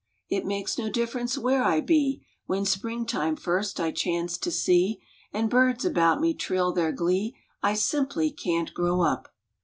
It makes no difference where I be, When Spring time first I chance to see, And birds about me trill their glee, I simply can t grow up